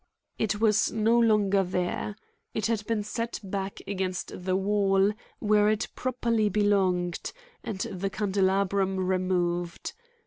It was no longer there. It had been set back against the wall where it properly belonged, and the candelabrum removed.